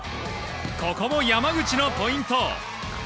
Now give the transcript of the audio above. ここも山口のポイント。